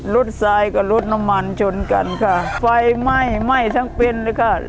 ทรายกับรถน้ำมันชนกันค่ะไฟไหม้ไหม้ทั้งเป็นเลยค่ะ